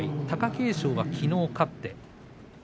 貴景勝はきのう勝って。